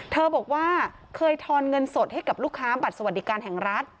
เธอบอกว่าเคยทอนเงินสดให้กับลูกค้าบัตรสวัสดิการแห่งรัฐ